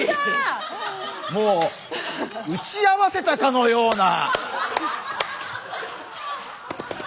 もう打ち合わせたかのような。